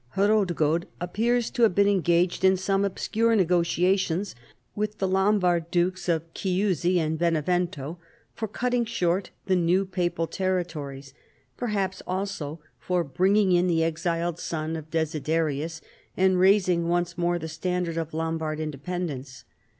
Hrodgaud appears to have been engaged in some obscure negotiations with the Lombard dukes of Ciiiusi and Benevento for cutting short the new papal territories, perhaps also for bringing in the exiled son of Desiderius and raising once more the standard of Lombard independence.